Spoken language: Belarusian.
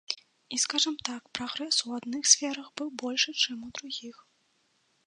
І, скажам так, прагрэс у адных сферах быў большы, чым у другіх.